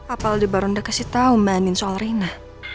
apa aldebaran udah kasih tau bu andin soal reina